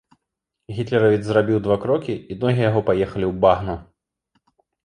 Гітлеравец зрабіў два крокі, і ногі яго паехалі ў багну.